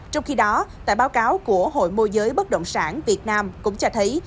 trong khi đó tại báo cáo của hội mô giới bất động sản việt nam cũng cho thấy